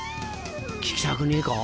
聞きたくねえか？